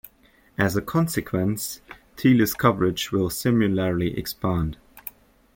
As a consequence, Telus' coverage will similarly expand.